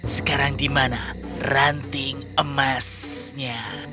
sekarang di mana ranting emasnya